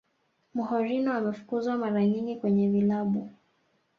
mourinho amefukuzwa mara nyingi kwenye vilabu